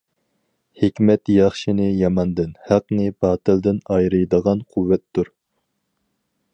ھېكمەت ياخشىنى ياماندىن، ھەقنى باتىلدىن ئايرىيدىغان قۇۋۋەتتۇر.